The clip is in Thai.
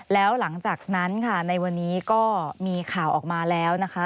แล้วหลังจากนั้นค่ะในวันนี้ก็มีข่าวออกมาแล้วนะคะ